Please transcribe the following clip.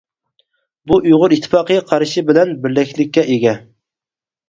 بۇ «ئۇيغۇر ئىتتىپاقى» قارىشى بىلەن بىردەكلىككە ئىگە.